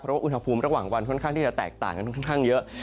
เพราะว่าอุณหภูมิระหว่างวันค่อนข้างที่จะแตกต่างกันค่อนข้างเยอะ